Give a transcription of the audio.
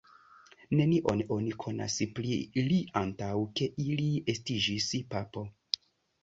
Nenion oni konas pri li antaŭ ke ili estiĝis papo.